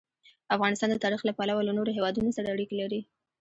افغانستان د تاریخ له پلوه له نورو هېوادونو سره اړیکې لري.